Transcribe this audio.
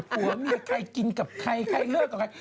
ผัวเมียใครกินกับใครใครเลิกกับใคร